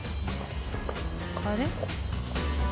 あれ？